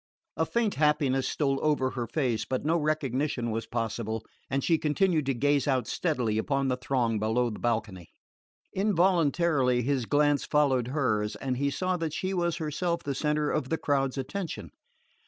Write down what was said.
A faint happiness stole over her face, but no recognition was possible, and she continued to gaze out steadily upon the throng below the balcony. Involuntarily his glance followed hers, and he saw that she was herself the centre of the crowd's attention.